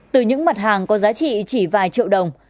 từ những mặt hàng có giá trị chỉ vài triệu đồng